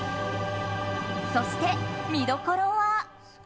そして、見どころは。